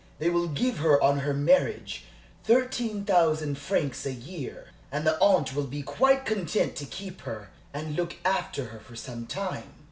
"They will give her on her marriage thirteen thousand francs a year, and the aunt will be quite content to keep her and look after her for some time."